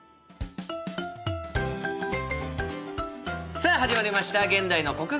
さあ始まりました「現代の国語」。